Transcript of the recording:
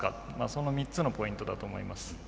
その３つのポイントだと思います。